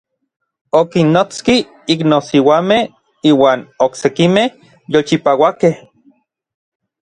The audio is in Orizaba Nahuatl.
Okinnotski iknosiuamej iuan oksekimej yolchipauakej.